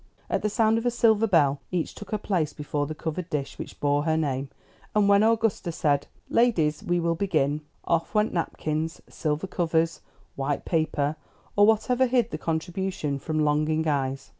At the sound of a silver bell, each took her place before the covered dish which bore her name, and when Augusta said, "Ladies, we will begin," off went napkins, silver covers, white paper, or whatever hid the contribution from longing eyes.